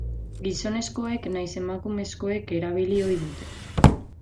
Gizonezkoek nahiz emakumezkoek erabili ohi dute.